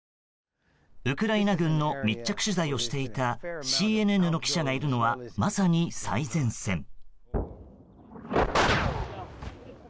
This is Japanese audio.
ウクライナ軍の密着取材をしていたＣＮＮの記者がいるのはまさに最前線。